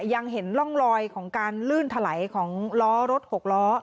ยังเห็นร่องลอยของการลื่นถลายของล้อรถ๖ล้อ